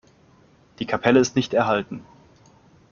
Die Kapelle ist nicht erhalten.